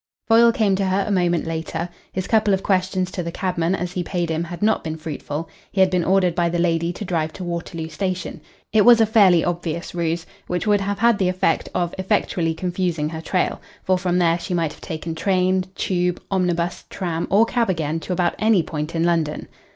Foyle came to her a moment later. His couple of questions to the cabman as he paid him had not been fruitful. He had been ordered by the lady to drive to Waterloo Station. It was a fairly obvious ruse, which would have had the effect of effectually confusing her trail, for from there she might have taken train, tube, omnibus, tram, or cab again to about any point in London.